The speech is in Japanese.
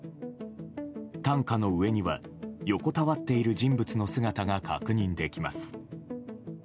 担架の上には横たわっている人物の姿が確認できます。